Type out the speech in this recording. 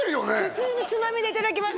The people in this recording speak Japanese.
普通につまみでいただきます